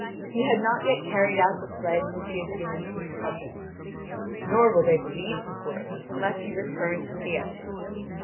He had not yet carried out the pledge which he had given to his cousin; nor will they believe his word unless he returns with the evidence.